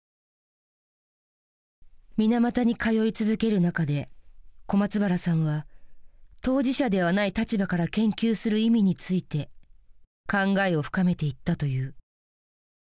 水俣に通い続ける中で小松原さんは当事者ではない立場から研究する意味について考えを深めていったという。